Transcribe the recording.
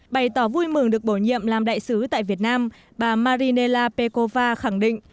bày tỏ vui mừng được bổ nhiệm làm đại sứ tại việt nam bà marinela pekova khẳng định